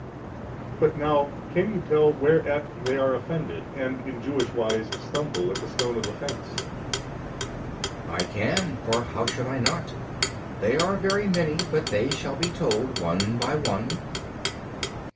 But now, can you tell whereat they are offended and in Jewish wise stumble at the stone of offence? B. I can, for how should I not? they are very many, but they shall be told one by one.